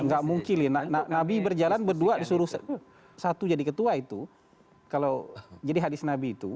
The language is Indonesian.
nggak mungkin ya nah nabi berjalan berdua disuruh satu jadi ketua itu kalau jadi hadis nabi itu